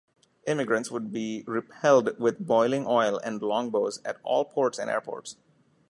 Immigrants would be repelled with boiling oil and longbows at all ports and airports.